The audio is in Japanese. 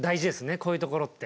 こういうところって。